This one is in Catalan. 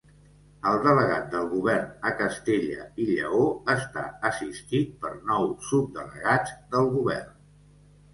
El delegat del Govern a Castella i Lleó està assistit per nou subdelegats del Govern.